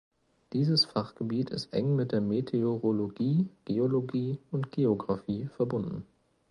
Dieses Fachgebiet ist eng mit der Meteorologie, Geologie und Geographie verbunden.